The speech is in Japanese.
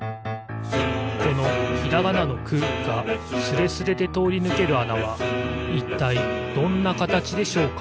このひらがなの「く」がスレスレでとおりぬけるあなはいったいどんなかたちでしょうか？